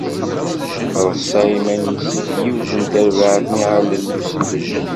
Treṣṣa iman-is yiwet n terbaεt n yiɣallen n usellek.